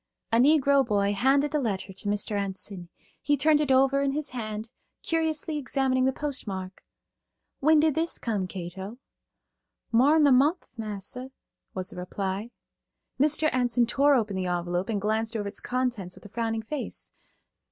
A Negro boy handed a letter to Mr. Enson. He turned it over in his hand, curiously examining the postmark. "When did this come, Cato?" "More'n a munf, massa," was the reply. Mr. Enson tore open the envelope and glanced over its contents with a frowning face.